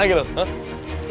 mau apaan lagi lu